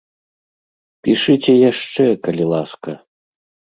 Пішыце яшчэ, калі ласка!